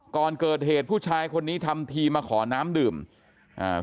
ก่อนเกิดเหตุผู้ชายคนนี้ทำทีมาขอน้ำดื่มอ่า